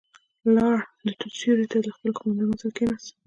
لاړ، د توت سيورې ته له خپلو قوماندانانو سره کېناست.